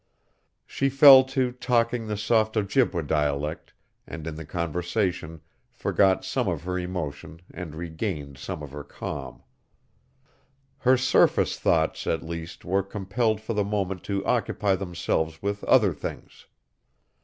She fell to talking the soft Ojibway dialect, and in the conversation forgot some of her emotion and regained some of her calm. Her surface thoughts, at least, were compelled for the moment to occupy themselves with other things.